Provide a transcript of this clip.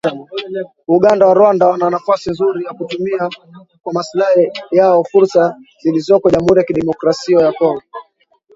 Uganda na Rwanda wana nafasi nzuri ya kutumia kwa maslahi yao fursa zilizoko Jamhuri ya Kidemokrasia ya Kongo